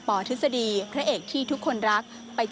ปอธิสดีคณาเอกที่ทุกคนรักไป